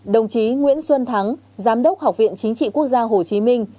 một mươi năm đồng chí nguyễn xuân thắng giám đốc học viện chính trị quốc gia hồ chí minh